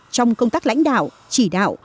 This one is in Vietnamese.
trong công tác lãnh đạo chỉ đạo